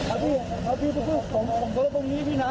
อ่ะพี่อ่ะพี่พี่ของตรงนี้พี่น้ำ